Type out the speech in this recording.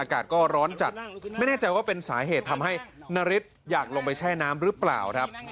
อากาศก็ร้อนจัดไม่แน่ใจว่าเป็นสาเหตุทำให้นาริสอยากลงไปแช่น้ำหรือเปล่าครับ